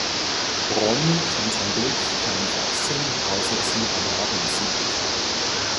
Ronny kann sein Glück kaum fassen, als er sie am Abend sieht.